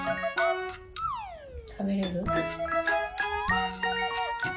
たべれる？